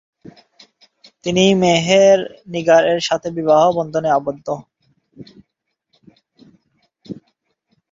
তিনি মেহের নিগার এর সাথে বিবাহ বন্ধনে আবদ্ধ।